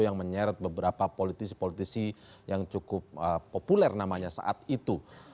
yang menyeret beberapa politisi politisi yang cukup populer namanya saat itu